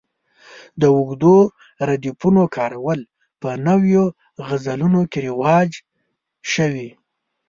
د اوږدو ردیفونو کارول په نویو غزلونو کې رواج شوي.